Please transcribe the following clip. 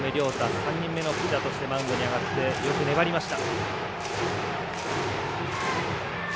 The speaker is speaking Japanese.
３人目のピッチャーとしてマウンドに上がってよく粘りました。